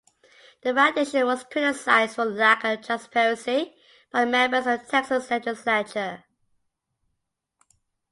The foundation was criticized for lack of transparency by members of the Texas legislature.